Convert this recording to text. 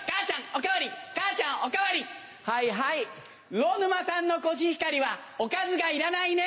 魚沼産のコシヒカリはおかずがいらないね！